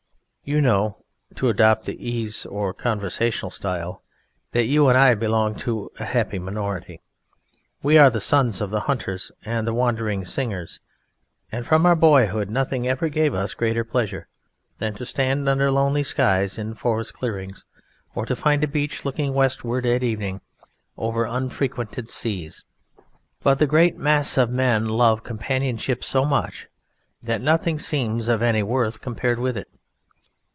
You know (to adopt the easy or conversational style) that you and I belong to a happy minority. We are the sons of the hunters and the wandering singers, and from our boyhood nothing ever gave us greater pleasure than to stand under lonely skies in forest clearings, or to find a beach looking westward at evening over unfrequented seas. But the great mass of men love companionship so much that nothing seems of any worth compared with it.